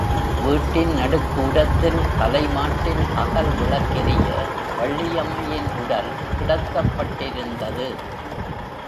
வீட்டின் நடுக்கூடத்தில் தலைமாட்டில் அகல் விளக்கெரிய வள்ளியம்மையின் உடல் கிடத்தப்பட்டிருந்தது.